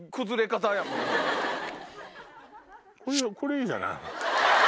これいいじゃない。